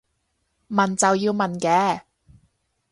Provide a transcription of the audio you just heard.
問就要問嘅